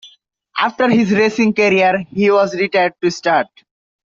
After his racing career, he was retired to stud.